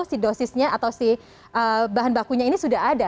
vaksinnya atau si bahan bakunya ini sudah ada